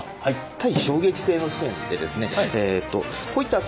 耐衝撃性の試験でですね